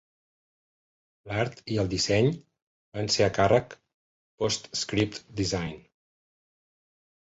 L'art i el disseny van ser a càrrec PostScript Design.